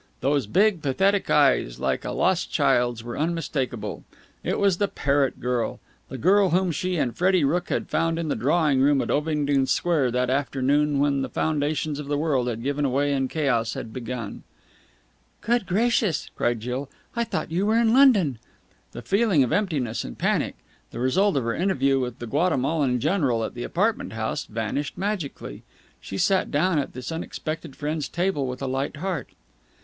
Those big, pathetic eyes, like a lost child's, were unmistakable. It was the parrot girl, the girl whom she and Freddie Rooke had found in the drawing room at Ovingdon Square that afternoon when the foundations of the world had given way and chaos had begun. "Good gracious!" cried Jill. "I thought you were in London!" That feeling of emptiness and panic, the result of her interview with the Guatemalan general at the apartment house, vanished magically. She sat down at this unexpected friend's table with a light heart.